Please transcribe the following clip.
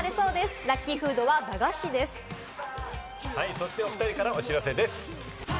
そしておふたりからお知らせです。